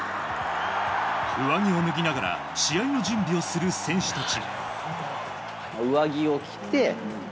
上着を脱ぎながら試合の準備をする選手たち。